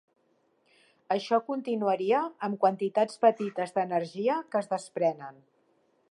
Això continuaria, amb quantitats petites d'energia que es desprenen.